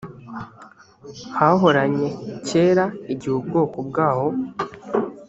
hahoranye kera igihe ubwoko bwaho